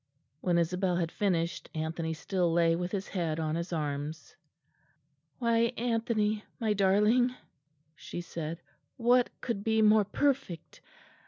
When Isabel had finished Anthony still lay with his head on his arms. "Why, Anthony, my darling," she said, "what could be more perfect?